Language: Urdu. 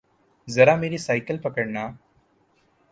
ذرامیری سائیکل پکڑنا